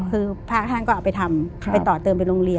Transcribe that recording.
คือพระท่านก็เอาไปทำไปต่อเติมไปโรงเรียน